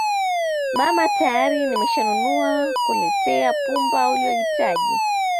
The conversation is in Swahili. mama tayari nimeshanunua kuletea pumba uliyohitaji